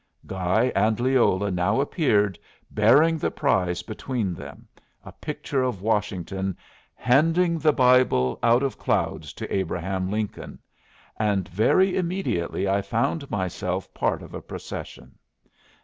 Guy and Leola now appeared, bearing the prize between them a picture of Washington handing the Bible out of clouds to Abraham Lincoln and very immediately I found myself part of a procession.